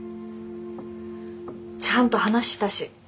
ちゃんと話したし。